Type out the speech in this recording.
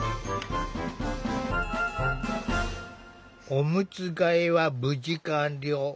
おむつ替えは無事完了。